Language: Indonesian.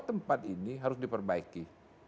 tempat ini harus diperbaiki